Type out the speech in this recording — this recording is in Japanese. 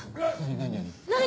何？